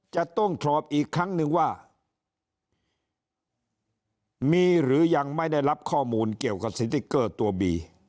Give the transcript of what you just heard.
จะต้องสอบอีกครั้งนึงว่ามีหรือยังไม่ได้รับข้อมูลเกี่ยวกับสติ๊กเกอร์ตัวบี